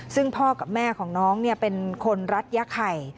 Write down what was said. ซึ่งพ่อกับแม่ของน้องเป็นคนรัฐยะไข่